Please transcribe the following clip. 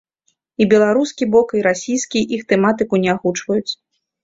І беларускі бок, і расійскі іх тэматыку не агучваюць.